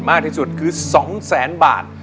ม้าที่สุดคือ๒๐๐๐๐๐บาท